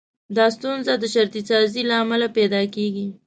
دا ستونزه د شرطي سازي له امله پيدا کېږي.